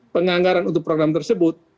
penganggaran untuk program tersebut